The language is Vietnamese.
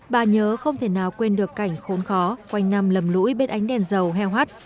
bà nhớ không thể nào quên được cảnh khốn khó quanh năm lầm lỗi bên ánh đèn dầu heo hắt